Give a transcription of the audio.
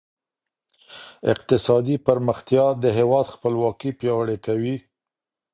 اقتصادي پرمختيا د هېواد خپلواکي پياوړې کوي.